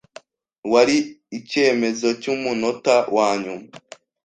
Wari icyemezo cyumunota wanyuma.